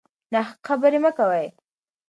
ناحق خبرې مه کوئ.